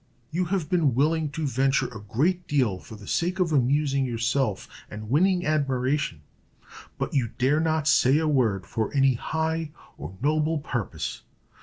You have been willing to venture a great deal for the sake of amusing yourself and winning admiration; but you dare not say a word for any high or noble purpose.